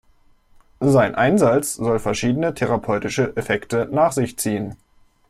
Sein Einsatz soll verschiedene therapeutische Effekte nach sich ziehen.